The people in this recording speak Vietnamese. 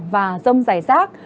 và rông rải rác